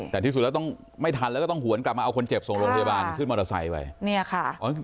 แต่ที่สุดแล้วต้องไม่ทันแล้วก็ต้องหวนกลับมาเอาคนเจ็บส่งโรงพยาบาลขึ้นมอเตอร์ไซค์ไปเนี่ยค่ะ